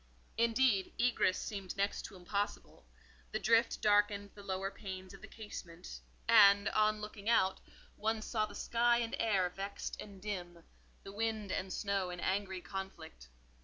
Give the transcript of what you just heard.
Indeed, egress seemed next to impossible; the drift darkened the lower panes of the casement, and, on looking out, one saw the sky and air vexed and dim, the wind and snow in angry conflict.